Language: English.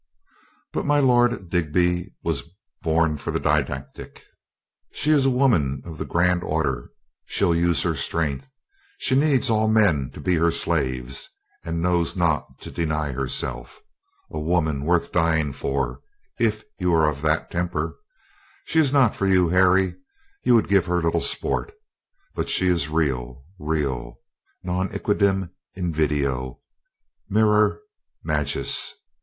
But my Lord Digby was born for the didactic. "She is a woman of the grand order. She'll use her strength. She needs all men to be her slaves, and knows not to deny herself. A woman worth dying for — if you are of that temper. She is not for you, Harry. You would give her little sport. But she is real — real. Non equidem iiivideo. Miror magis.